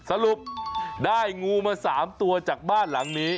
สรุปได้งูมา๓ตัวจากบ้านหลังนี้